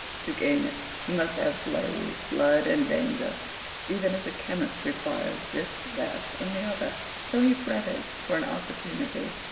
To gain it, he must have blaze, blood, and danger, even as a chemist requires this, that, and the other. So he fretted for an opportunity.